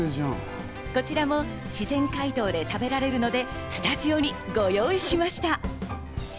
こちらも自然解凍で食べられるのでスタジオにご用意しました。